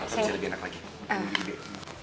sama sama bisa lebih enak lagi